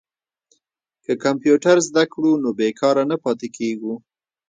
که کمپیوټر زده کړو نو بې کاره نه پاتې کیږو.